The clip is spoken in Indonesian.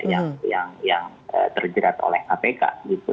yang terjerat oleh kpk gitu